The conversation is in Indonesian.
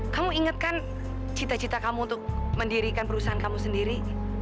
kamu ingatkan cita cita kamu untuk mendirikan perusahaan kamu sendiri